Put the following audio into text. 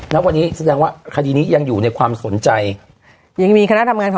ณวันนี้แสดงว่าคดีนี้ยังอยู่ในความสนใจยังมีคณะทำงานของ